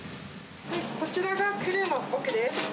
こちらがクルーの奥です。